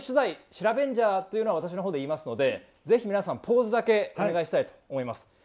シラベンジャーは私のほうで言いますのでぜひ皆さんポーズだけお願いしたいと思います。